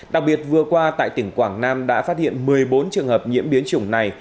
đặc biệt vừa qua tại tỉnh quảng nam đã phát hiện một mươi bốn trường hợp nhiễm biến chủng này